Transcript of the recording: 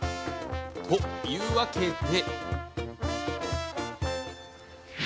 と、いうわけで。